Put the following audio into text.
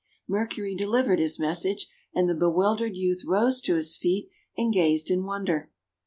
Mercury delivered his message, and the be wildered youth rose to his feet and gazed in wonder.